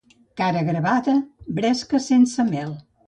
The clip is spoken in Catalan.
Cara gravada, bresca sense mel.